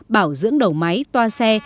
bảo dưỡng đầu máy toa xe